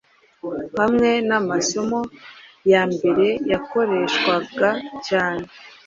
hamwe namasomo ya mbere yakoreshwaga cyane